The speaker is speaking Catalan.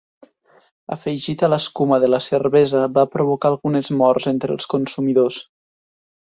Afegit a l'escuma de la cervesa va provocar algunes morts entre els consumidors.